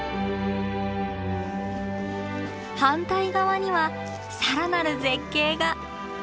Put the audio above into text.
反対側には更なる絶景が。